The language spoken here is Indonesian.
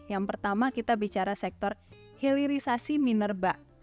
yang pertama kita bicara sektor hilirisasi minerba